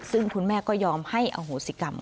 ซึ่งคุณแม่ก็ยอมให้อโหสิกรรม